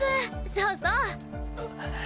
そうそう。